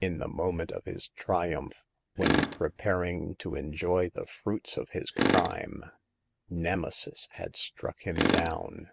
In the moment of his triumph, when preparing to enjoy the fruits of his crime, Nemesis had struck him down.